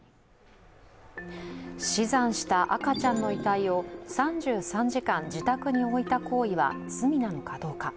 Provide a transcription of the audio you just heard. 死産した赤ちゃんの遺体を３３時間自宅に置いた行為は罪なのかどうか。